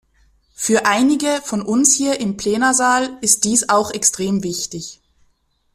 Für einige von uns hier im Plenarsaal ist dies auch extrem wichtig.